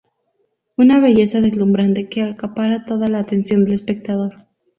Una belleza deslumbrante que acapara toda la atención del espectador.